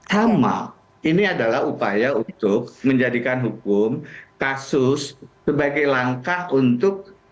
sama ini adalah upaya untuk menjadikan hukum kasus sebagai langkah untuk